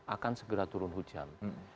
akan segera turun hujan